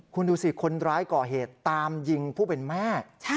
คุณดูสิคนร้ายก่อเหตุตามยิงผู้เป็นแม่